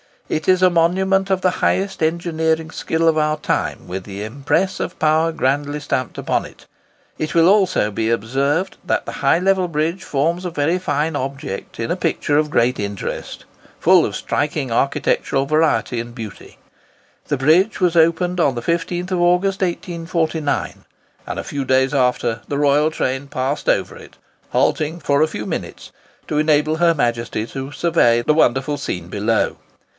It is a monument of the highest engineering skill of our time, with the impress of power grandly stamped upon it. It will also be observed, from the drawing placed as the frontispiece of this book, that the High Level Bridge forms a very fine object in a picture of great interest, full of striking architectural variety and beauty. The bridge was opened on the 15th August, 1849, and a few days after the royal train passed over it, halting for a few minutes to enable her Majesty to survey the wonderful scene below.